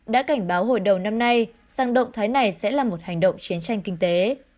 đã cảnh báo hồi đầu năm nay rằng động thái này sẽ là một hành động chiến tranh kinh tế